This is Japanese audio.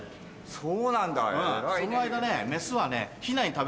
そうなんだ。